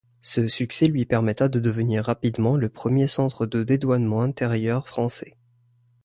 Ce succès lui permettra de devenir rapidement le premier centre de dédouanement intérieur français.